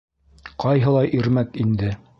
Ҡайһылай ирмәк инде!